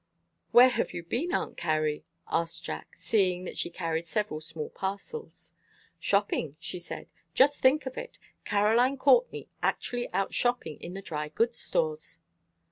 "Where have you been, Aunt Carrie?" asked Jack, seeing that she carried several small parcels. "Shopping," she said. "Just think of it! Caroline Courtney actually out shopping in the dry goods stores."